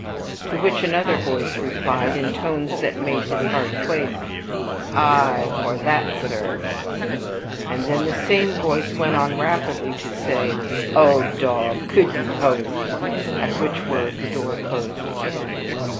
to which another voice replied, in tones that made his heart quake, "Aye, for THAT, sir." And then the same voice went on rapidly to say, "O dog! could you hope" at which word the door closed again.